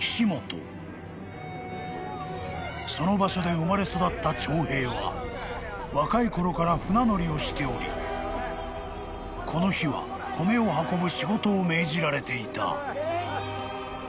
［その場所で生まれ育った長平は若いころから船乗りをしておりこの日は米を運ぶ仕事を命じられていた］